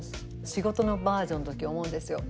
仕事のバージョンの時思うんですよ。